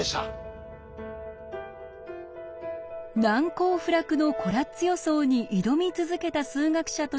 難攻不落のコラッツ予想に挑み続けた数学者として知られているのが